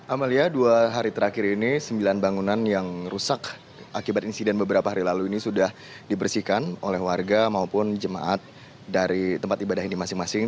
amalia dua hari terakhir ini sembilan bangunan yang rusak akibat insiden beberapa hari lalu ini sudah dibersihkan oleh warga maupun jemaat dari tempat ibadah ini masing masing